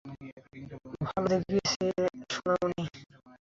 ভালো দেখিয়েছ, সোনামণি।